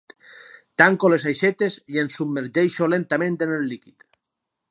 Tanco les aixetes i em submergeixo lentament en el líquid.